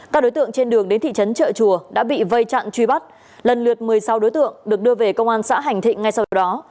các đối tượng trên đường đến thị trấn trợ chùa đã bị vây chặn truy bắt lần lượt một mươi sáu đối tượng được đưa về công an xã hành thịnh ngay sau đó